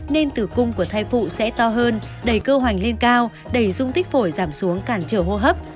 nên tử cung của thai phụ sẽ to hơn đẩy cơ hoành lên cao đẩy dung tích phổi giảm xuống cản trở hô hấp